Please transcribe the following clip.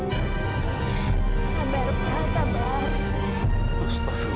ini kamu gak bawa ibu dulu